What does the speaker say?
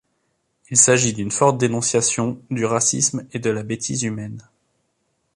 Il s'agit d'une forte dénonciation du racisme et de la bêtise humaine.